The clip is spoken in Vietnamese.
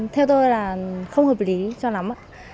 theo tôi là không hợp lý cho lắm